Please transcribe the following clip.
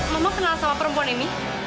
mama kenal sama perempuan ini